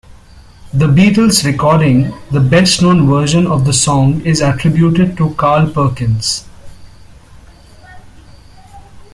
The Beatles' recording, the best-known version of the song, is attributed to Carl Perkins.